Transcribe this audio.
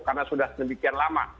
karena sudah sedemikian lama